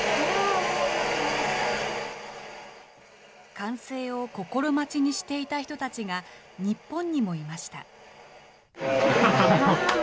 完成を心待ちにしていた人たちが、日本にもいました。